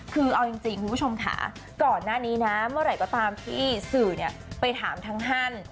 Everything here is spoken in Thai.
คือเอาจริงคุณผู้ชมค่ะก่อนหน้านี้นะเมื่อไหร่ก็ตามที่สื่อไปถามทั้งท่าน